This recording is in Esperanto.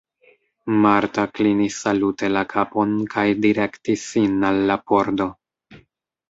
Marta klinis salute la kapon kaj direktis sin al la pordo.